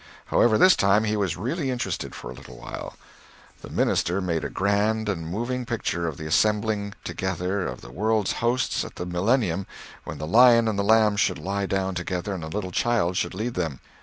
However, this time he was really interested for a little while. The minister made a grand and moving picture of the assembling together of the world's hosts at the millennium when the lion and the lamb should lie down together and a little child should lead them.